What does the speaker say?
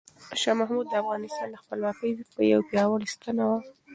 شاه محمود د افغانستان د خپلواکۍ یو پیاوړی ستنه وه.